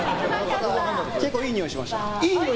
結構いいにおいしました。